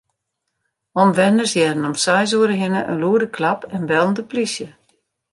Omwenners hearden om seis oere hinne in lûde klap en bellen de plysje.